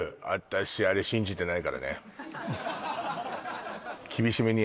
私あれ信じてないからね